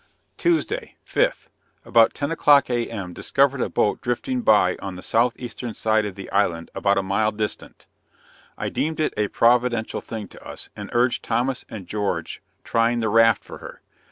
Tuesday, 5th. About ten o'clock, A.M. discovered a boat drifting by on the southeastern side of the island about a mile distant. I deemed it a providential thing to us, and urged Thomas and George trying the raft for her.